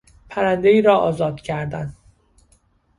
پرندهای را آزاد کردن